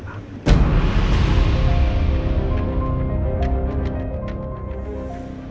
karena saya sudah berhasil